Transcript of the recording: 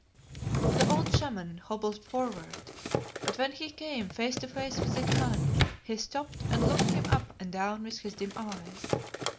The old Shaman hobbled forward, but when he came face to face with the Khan he stopped and looked him up and down with his dim eyes.